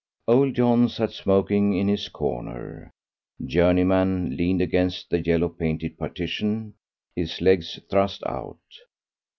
Old John sat smoking in his corner. Journeyman leaned against the yellow painted partition, his legs thrust out.